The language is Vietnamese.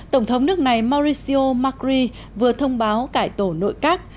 tổng thống nước này mauricio macri vừa thông báo cải tổ nội các